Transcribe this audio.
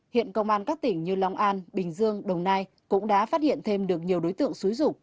hiện công an các tỉnh như long an bình dương đồng nai cũng đã phát hiện thêm được nhiều đối tượng xúi dục